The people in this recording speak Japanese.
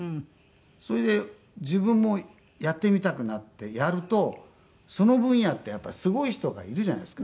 それで自分もやってみたくなってやるとその分野ってやっぱりすごい人がいるじゃないですか。